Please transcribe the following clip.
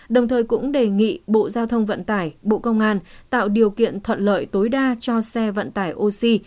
đồng thời cũng đề nghị bộ giao thông vận tải bộ công an tạo điều kiện thuận lợi tối đa cho xe vận tải oxy